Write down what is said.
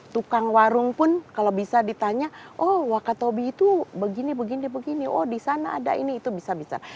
tukang warung pun kalau bisa ditanya oh wakatobi itu begini begini oh di sana ada ini itu bisa bisa